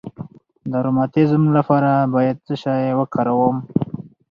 د روماتیزم لپاره باید څه شی وکاروم؟